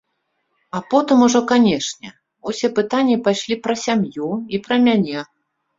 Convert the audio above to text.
А потым ужо, канешне, усе пытанні пайшлі пра сям'ю і пра мяне.